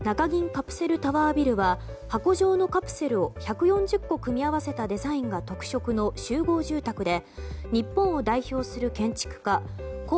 カプセルタワービルは箱状のカプセルを１４０個組み合わせたデザインが特色の集合住宅で日本を代表する建築家故